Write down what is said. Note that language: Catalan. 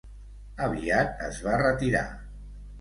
Aviat es va retirar.